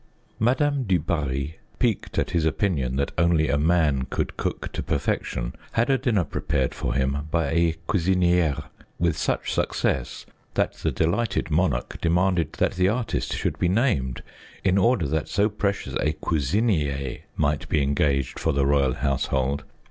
Madame du Barry, piqued at his opinion that only a man could cook to perfection, had a dinner prepared for him by a cuisiniere with such success that the delighted monarch demanded that the artist should be named, in order that so precious a cuisinier might be engaged for the royal household.